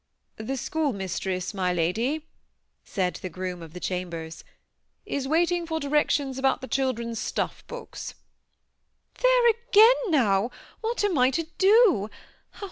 " The schoolmistress, my Lady," said the groom of the chambers, is waiting for directions about the children's stuff frocks." THE SEMI ATTACHED COUPLE. 61 " There again, now ! What am I to do